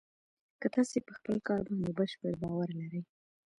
که تاسې په خپل کار باندې بشپړ باور لرئ